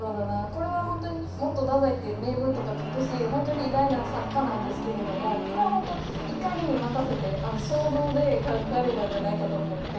これは本当にもっと太宰って名文とか書くし本当に偉大な作家なんですけれどもこれは本当怒りに任せて衝動で書かれたんじゃないかと思って。